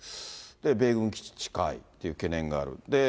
米軍基地近いという懸念がある。